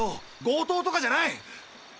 強盗とかじゃない！